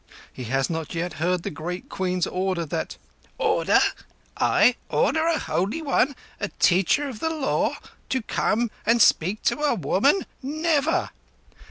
He has not yet heard the Great Queen's order that—" "Order? I order a Holy One—a Teacher of the Law—to come and speak to a woman? Never!"